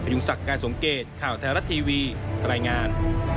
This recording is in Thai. อย่างสักการสงเกตข่าวไทยรัฐทีวีปรายงาน